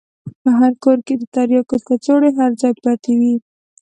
په هر کور کښې د ترياکو کڅوړې هر ځاى پرتې وې.